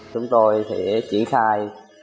chúng tôi thì triển khai